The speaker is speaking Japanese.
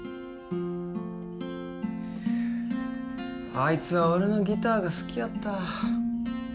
あいつは俺のギターが好きやった。